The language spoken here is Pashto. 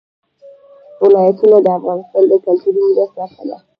ولایتونه د افغانستان د کلتوري میراث برخه ده.